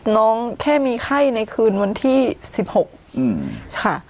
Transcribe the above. แค่มีไข้ในคืนวันที่๑๖ค่ะ